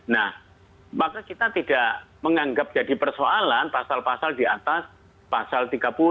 nah maka kita tidak menganggap jadi persoalan pasal pasal di atas pasal tiga puluh